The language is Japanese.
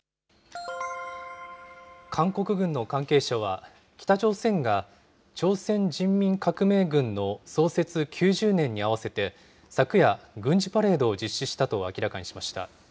韓国軍の関係者は、北朝鮮が朝鮮人民革命軍の創設９０年に合わせて、昨夜、軍事パレードを実施したと明らかにしました。